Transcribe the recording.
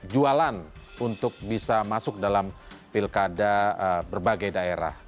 jualan untuk bisa masuk dalam pilkada berbagai daerah